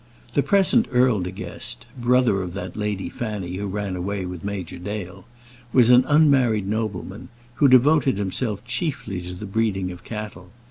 The present Earl De Guest, brother of that Lady Fanny who ran away with Major Dale, was an unmarried nobleman, who devoted himself chiefly to the breeding of cattle.